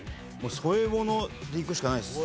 添え物でいくしかないです。